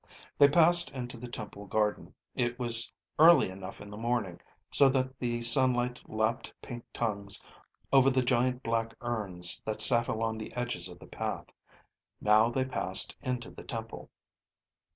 They passed into the temple garden. It was early enough in the morning so that the sunlight lapped pink tongues over the giant black urns that sat along the edges of the path. Now they passed into the temple.